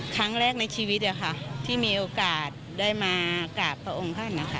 ครั้งแรกในชีวิตที่มีโอกาสได้มากราบพระองค์ท่านนะคะ